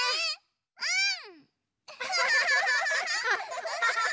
うん！